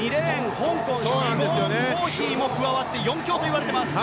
香港のシボーン・ホーヒーも加わって４強といわれています。